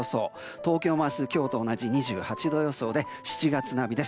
東京は今日と同じ２８度予想で７月並みです。